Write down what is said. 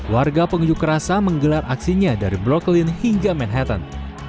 warga pengunjuk rasa menggelar aksinya dari brokelin hingga manhattan